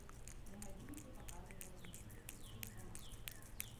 На гадзінніку паказвала без дваццаці дванаццаць.